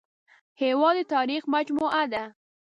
هېواد د تاریخ مجموعه ده